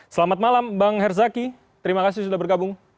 selamat malam bang herzaki terima kasih sudah bergabung